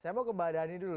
saya mau kembalikan ini dulu